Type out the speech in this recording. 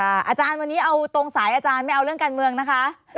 อาจารย์วันนี้เอาตรงสายอาจารย์ไม่เอาเรื่องการเมืองนะคะ